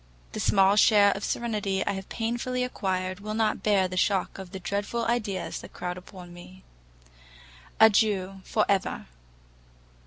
The small share of serenity I have painfully acquired, will not bear the shock of the dreadful ideas that crowd upon me. Adieu, for ever!